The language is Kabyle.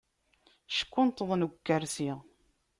Ckunṭḍen deg ukersi.